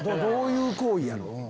どういう行為やろ？